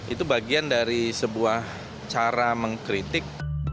itu bagian dari sebuah cara mengkritik